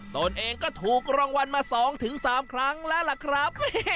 ตนเองก็ถูกรางวัลมา๒๓ครั้งแล้วล่ะครับ